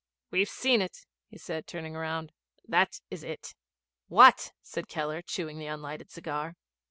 'We've seen it,' he said, turning round. 'That is it.' 'What?' said Keller, chewing the unlighted cigar.